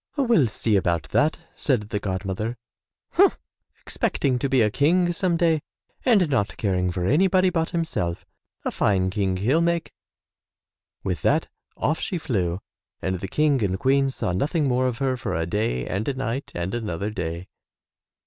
"We'll see about that," said the god mother. "Humph, expecting to be a King some day and not caring for anybody but himself — a fine King he'll make!" With that off she flew and the King and Queen saw nothing more of her for a day and a night and another day.